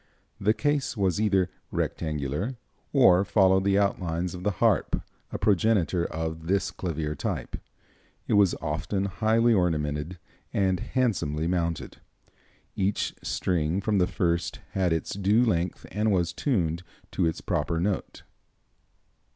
The case was either rectangular, or followed the outlines of the harp, a progenitor of this clavier type. It was often highly ornamented, and handsomely mounted. Each string from the first had its due length and was tuned to its proper note.